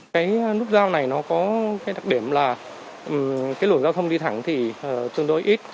cái nút giao này nó có cái đặc điểm là cái luồng giao thông đi thẳng thì tương đối ít